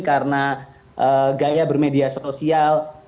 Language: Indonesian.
karena gaya bermedia sosial